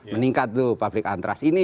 meningkat tuh public antras ini